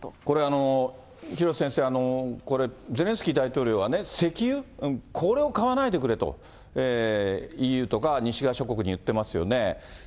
これあの、廣瀬先生、これ、ゼレンスキー大統領はね、石油、これを買わないでくれと、ＥＵとか西側諸国に言ってますよね。